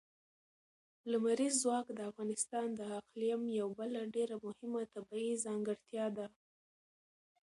لمریز ځواک د افغانستان د اقلیم یوه بله ډېره مهمه طبیعي ځانګړتیا ده.